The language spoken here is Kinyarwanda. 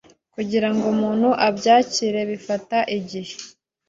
Kugira ngo umuntu abyakire bifata igihe